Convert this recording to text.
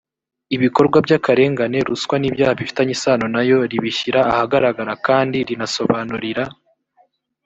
ibikorwa by akarengane ruswa n ibyaha bifitanye isano na yo ribishyira ahagaragara kandi rinasobanurira